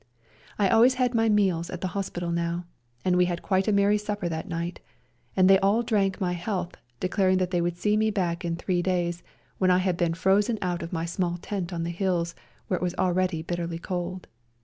I always had my meals at the hospital now, and we had quite a merry supper that night, and they all drank my health, declaring they would see me back in three days, when I had been frozen out of my small tent on the hills, where it was already bitterly cold.